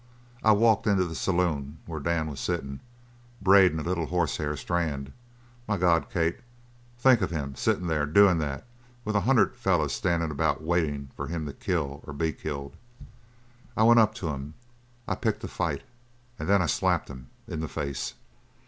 I walked into the saloon where Dan was sittin' braidin' a little horsehair strand my God, Kate, think of him sittin' there doin' that with a hundred fellers standin' about waitin' for him to kill or be killed! I went up to him. I picked a fight, and then I slapped him in the face."